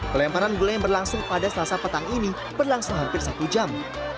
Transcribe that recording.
pelemparan gula yang berlangsung pada selasa petang ini berlangsung hampir satu jam